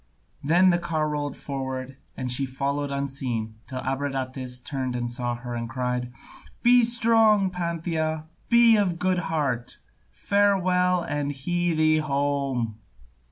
Then the car rolled forward and she followed unseen till Abradatas turned and saw her and cried, "Be strong, Pantheia, be of a good heart! Farewell, and hie thee home!"